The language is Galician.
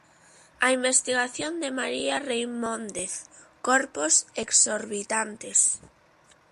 A investigación de María Reimóndez "Corpos exorbitantes".